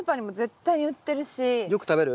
よく食べる？